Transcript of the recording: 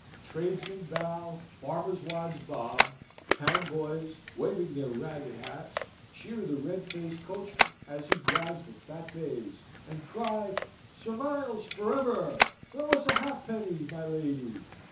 Tradesmen bow, farmers' wives bob, town boys, waving their ragged hats, cheer the red faced coachman as he drives the fat bays, and cry, "Sir Miles for ever! Throw us a halfpenny, my lady!"